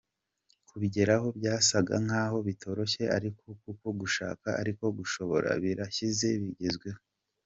Kubigeraho byasaga nk’aho bitoroshye ariko kuko gushaka ariko gushobora birashyize bigezweho.